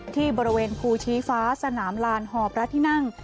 ที่บริเวณภูชีฟ้าสนามลานหอพระที่นั่ง